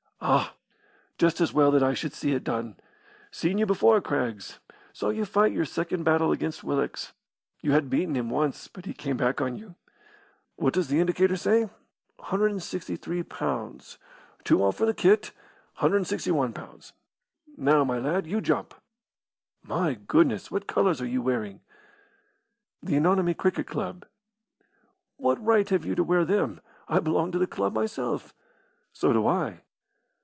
"Ah! Just as well that I should see it done. Seen you before, Craggs. Saw you fight your second battle against Willox. You had beaten him once, but he came back on you. What does the indicator say 163lbs. two off for the kit 161lbs. Now, my lad, you jump. My goodness, what colours are you wearing?" "The Anonymi Cricket Club." "What right have you to wear them? I belong to the club myself." "So do I."